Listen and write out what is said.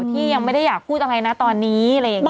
ที่ยังไม่ได้อยากพูดอะไรนะตอนนี้อะไรอย่างนี้